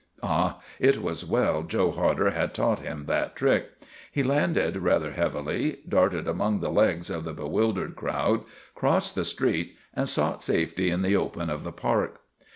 Ah, it was well Joe Hodder had taught him that trick. He landed rather heavily, darted among the legs of the be wildered crowd, crossed the street, and sought safety in the open of the park.